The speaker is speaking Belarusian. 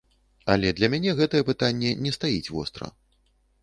Але для мяне гэтае пытанне не стаіць востра.